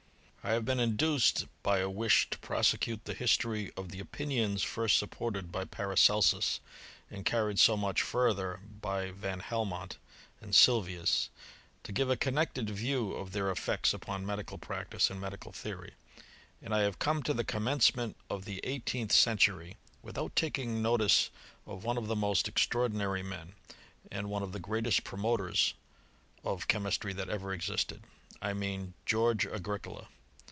I HAVE been induced by a wish to prosecute the history of the opinions first supported by Paracelsus, and carried so much further by Van Helmont and Sylvius, to give a connected view of their effects upon medical practice and medical theory; and I have come to the commencement of the eighteenth century, without taking notice of one of the most ex traordinary men, and one of the greatest promoters of chemistry that ever existed : I mean Greorge Agricola.